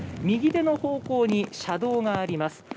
右手の方向に車道があります。